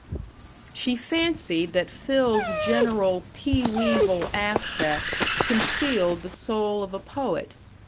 She fancied that Phil's general pea weevil aspect concealed the soul of a poet.